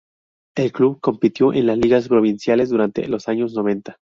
El club compitió en las ligas provinciales durante los años noventa.